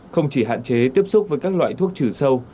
không chỉ hạn chế tiếp xúc với các loại thuốc trừ sâu